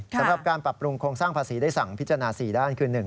สำหรับการปรับปรุงโครงสร้างภาษีได้สั่งพิจารณา๔ด้านคือ